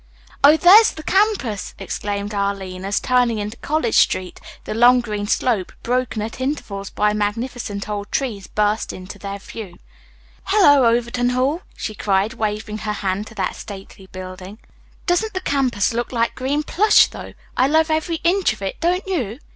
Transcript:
"Oh, there's the campus!" exclaimed Arline as, turning into College Street, the long green slope, broken at intervals by magnificent old trees, burst upon their view. "Hello, Overton Hall!" she cried, waving her hand to that stately building. "Doesn't the campus look like green plush, though! I love every inch of it, don't you?"